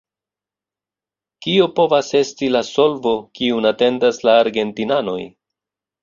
Kio povas esti la solvo, kiun atendas la argentinanoj?